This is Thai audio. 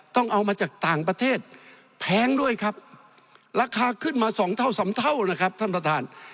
ต้องเอามาจากต่างประเทศแพงด้วยครับราคาขึ้นมาสองเท่าสามเท่านะครับท่านประธาน